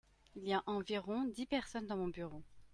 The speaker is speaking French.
Il y a environ dix personnes dans mon bureau.